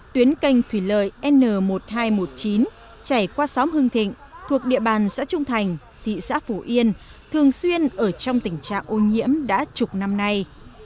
tuyến canh thủy lợi n một nghìn hai trăm một mươi chín chảy qua xóm hưng thịnh thuộc địa bàn xã trung thành thị xã phổ yên thường xuyên ở trong tình trạng ô nhiễm đã chục năm nay